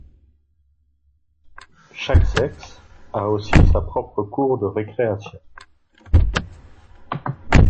Chaque sexe a aussi sa propre cour de récréation.